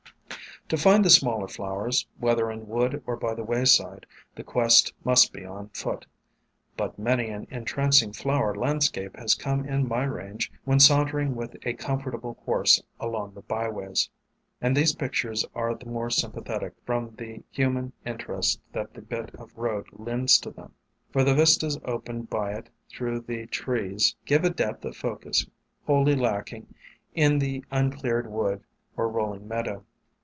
To find the smaller flowers, whether in wood or by the wayside, the quest must be on foot, but many an entrancing flower landscape has come in my range when sauntering with a comfortable horse along the byways; and these pictures are the more sympathetic from the human interest that the bit of road lends to them, for the vistas opened by it through the trees give a depth of focus wholly lacking in the un cleared wood or rolling meadow.